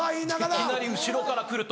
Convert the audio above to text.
いきなり後ろから来ると。